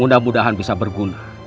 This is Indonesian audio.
mudah mudahan bisa berguna